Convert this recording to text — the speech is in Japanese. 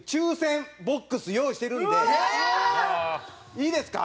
いいですか？